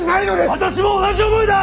私も同じ思いだ！